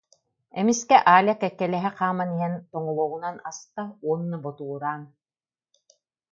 Эмискэ Аля кэккэлэһэ хааман иһэн, тоҥолоҕунан аста уонна ботугураан: